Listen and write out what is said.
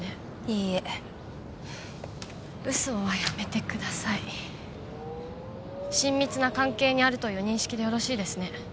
いいえ嘘はやめてください親密な関係にあるという認識でよろしいですね？